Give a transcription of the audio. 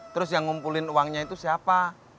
terus yang ngumpulin uangnya itu siapa